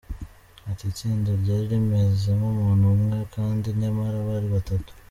Ati “Itsinda ryari rimeze nk’umuntu umwe kandi nyamari bari batatu.